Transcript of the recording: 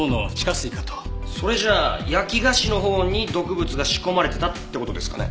それじゃあ焼き菓子のほうに毒物が仕込まれてたって事ですかね？